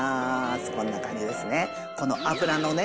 こんな感じですね。